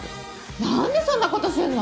何でそんなことすんの？